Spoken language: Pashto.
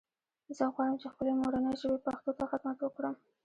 زه غواړم چې خپلې مورنۍ ژبې پښتو ته خدمت وکړم